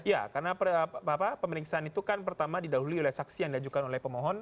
ya karena pemeriksaan itu kan pertama didahului oleh saksi yang diajukan oleh pemohon